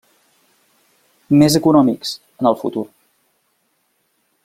Més econòmics, en el futur.